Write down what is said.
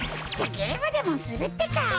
じゃゲームでもするってか。